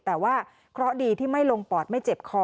แต่ว่าเคราะห์ดีที่ไม่ลงปอดไม่เจ็บคอ